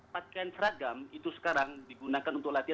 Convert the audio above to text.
pakaian seragam itu sekarang digunakan untuk latihan